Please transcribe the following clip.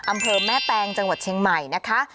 อำเภอแม่แตงจังหวัดเชียงใหม่นะคะ